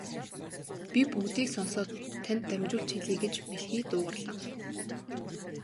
Би бүгдийг сонсоод танд дамжуулж хэлье гэж мэлхий дуугарлаа.